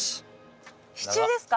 支柱ですか？